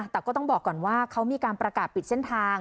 แต่ก็ต้องบอกก่อนว่าเขามีการประกาศปิดเส้นทาง